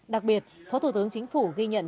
đặc biệt phó thủ tướng chính phủ ghi nhận